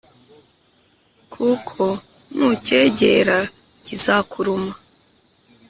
kuko nucyegera, kizakuruma;